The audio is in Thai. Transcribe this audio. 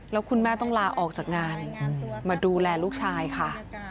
แล้วคุณแม่ต้องลาออกจากงานมาดูแลลูกชายค่ะ